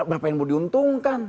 berapa yang mau diuntungkan